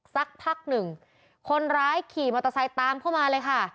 สักพักหนึ่งคนร้ายขี่มอเตอร์ไซค์ตามเข้ามาเลยค่ะ